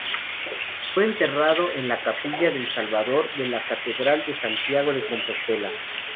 Fue enterrado en la capilla del Salvador de la catedral de Santiago de Compostela.